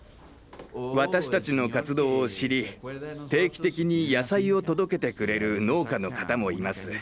私たちの活動を知り定期的に野菜を届けてくれる農家の方もいます。